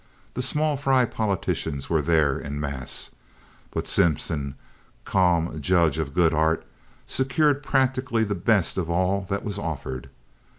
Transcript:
The small fry politicians were there, en masse. But Simpson, calm judge of good art, secured practically the best of all that was offered.